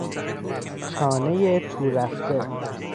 چانهی تورفته